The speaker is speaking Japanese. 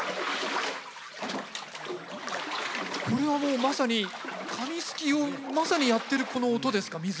これはもうまさに紙すきをまさにやってるこの音ですか？